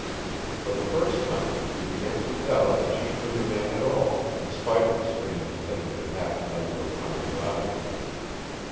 For the first time he began to doubt that she knew the man at all, in spite of the strange thing that had happened under O'Connor's eyes.